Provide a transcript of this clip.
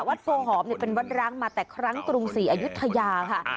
โพหอมเป็นวัดร้างมาแต่ครั้งกรุงศรีอายุทยาค่ะ